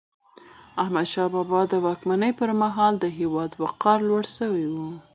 احمدشاه بابا د واکمني پر مهال د هیواد وقار لوړ سوی و.